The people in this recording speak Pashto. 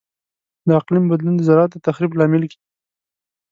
د اقلیم بدلون د زراعت د تخریب لامل کیږي.